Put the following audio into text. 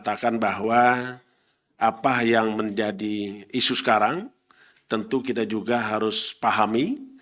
saya katakan bahwa apa yang menjadi isu sekarang tentu kita juga harus pahami